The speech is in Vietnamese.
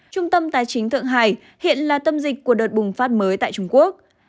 trung tâm tài chính thượng hải hiện là tâm dịch của đợt bùng phát mới tại trung quốc